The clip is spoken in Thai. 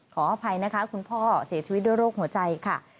ขออภัยนะคะคุณพ่อเสียชีวิตด้วยโรคหัวใจค่ะ